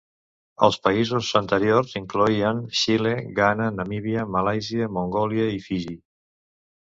Els països anteriors incloïen Xile, Ghana, Namíbia, Malàisia, Mongòlia i Fiji.